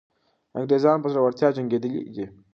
انګریزان په زړورتیا جنګېدلي دي.